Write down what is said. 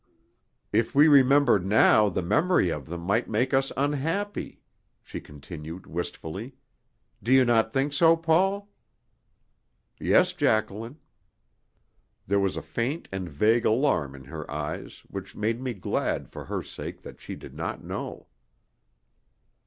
"If we remembered now the memory of them might make us unhappy," she continued wistfully. "Do you not think so, Paul?" "Yes, Jacqueline." There was a faint and vague alarm in her eyes which made me glad for her sake that she did not know.